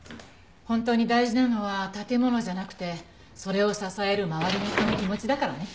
本当に大事なのは建物じゃなくてそれを支える周りの人の気持ちだからね。